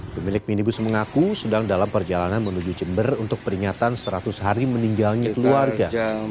pemilik minibus mengaku sedang dalam perjalanan menuju jember untuk peringatan seratus hari meninggalnya keluarga